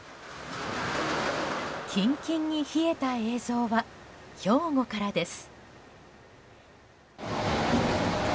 キンキンに冷えた映像は兵庫からです。